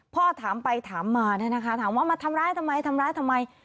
พ่อถามไปถามมาถามว่ามันทำร้ายทำไม